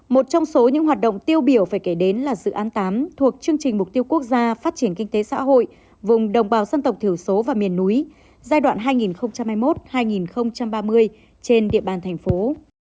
một trong số những hoạt động tiêu biểu phải kể đến là dự án tám thuộc chương trình mục tiêu quốc gia phát triển kinh tế xã hội vùng đồng bào dân tộc thiểu số và miền núi giai đoạn hai nghìn hai mươi một hai nghìn ba mươi trên địa bàn thành phố